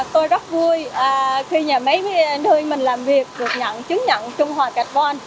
tôi rất vui khi nhà máy mình làm việc được chứng nhận trung hòa carbon